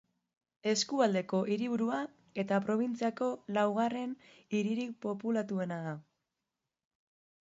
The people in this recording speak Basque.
Eskualdeko hiriburua eta probintziako laugarren hiririk populatuena da.